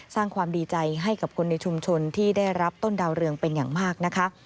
สร้างความดีใจให้กับคนในชุมชนที่ได้รับต้นดาวเรืองเป็นอย่างมากนะคะ